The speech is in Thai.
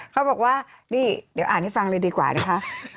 เขาบอกว่านี่เดี๋ยวอ่านให้ฟังเลยดีกว่านะคะ